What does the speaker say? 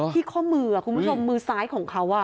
ข้อมือคุณผู้ชมมือซ้ายของเขา